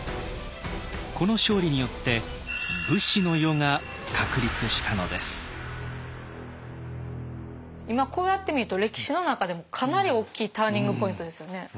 この勝利によって今こうやって見ると歴史の中でもかなり大きいターニングポイントですよね。